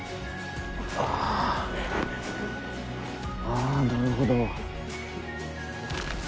あぁ、なるほど。